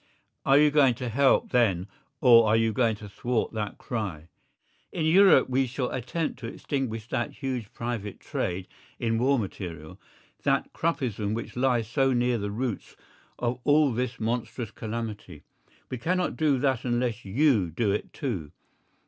Are you going to help then or are you going to thwart that cry? In Europe we shall attempt to extinguish that huge private trade in war material, that "Kruppism" which lies so near the roots of all this monstrous calamity. We cannot do that unless you do it too.